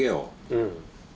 うん。